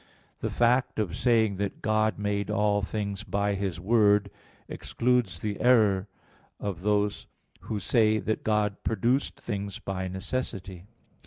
The fact of saying that God made all things by His Word excludes the error of those who say that God produced things by necessity.